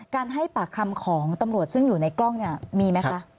ให้ปากคำของตำรวจซึ่งอยู่ในกล้องเนี่ยมีไหมคะ